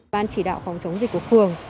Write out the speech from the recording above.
ban chỉ đạo phòng chống dịch của phường